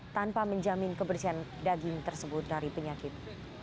tanpa menjamin kebersihan daging tersebut dari penyakit